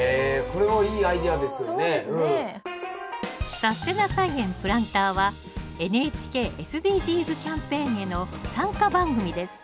「さすてな菜園プランター」はＮＨＫ・ＳＤＧｓキャンペーンへの参加番組です。